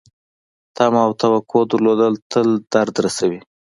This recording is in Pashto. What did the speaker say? تمه او توقع درلودل تل درد رسوي .